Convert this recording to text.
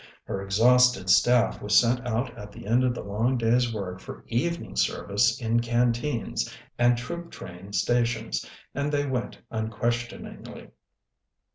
Her exhausted staff was sent out at the end of the long day's work for evening service in canteens and troop train stations and they went unquestioningly.